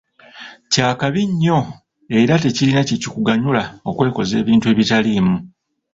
Kya kabi nnyo era tekirina kye kikuganyula okwekoza ebintu ebitaliimu.